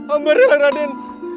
ambil saja raden